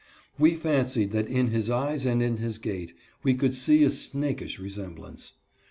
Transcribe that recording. We fancied that in his eyes and his gait we could see a snakish resemblance.